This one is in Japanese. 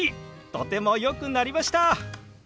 とてもよくなりました！